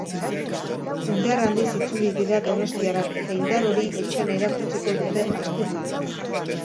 Indar handiz itzuli dira donostiarrak eta indar hori etxean erakutsiko dute asteburuan.